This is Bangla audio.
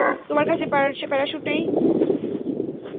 তোমার কাছে প্যারাশ্যুট নেই!